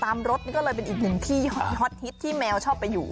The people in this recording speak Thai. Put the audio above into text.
รถนี่ก็เลยเป็นอีกหนึ่งที่ฮอตฮิตที่แมวชอบไปอยู่